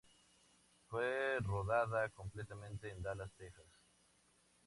Fue rodada completamente en Dallas, Texas.